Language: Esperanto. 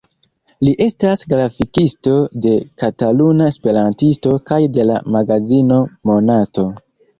Li estas grafikisto de "Kataluna Esperantisto" kaj de la magazino "Monato".